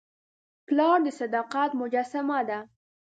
پلار د صداقت مجسمه ده.